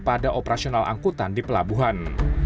pada operasional angkutan di pelabuhan